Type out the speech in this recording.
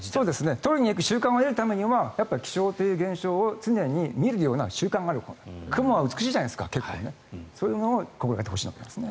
取りに行く習慣を得るためには気象を常に見るような習慣雲は美しいじゃないですかそういうのを心掛けてほしいと思います。